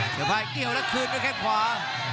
ภายเกี่ยวแล้วคืนด้วยแค่ขวา